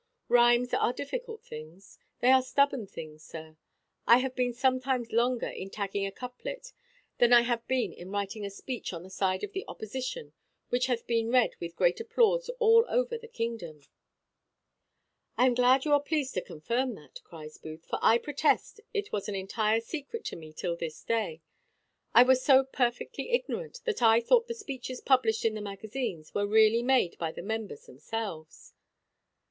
Rhimes are difficult things; they are stubborn things, sir. I have been sometimes longer in tagging a couplet than I have been in writing a speech on the side of the opposition which hath been read with great applause all over the kingdom." "I am glad you are pleased to confirm that," cries Booth; "for I protest it was an entire secret to me till this day. I was so perfectly ignorant, that I thought the speeches published in the magazines were really made by the members themselves."